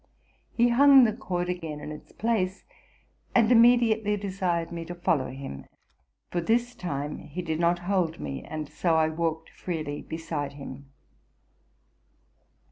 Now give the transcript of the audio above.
He hung the cord again in its place, and immediately desired me to follow him; for this time he did not hold me, and so I walked freely beside him.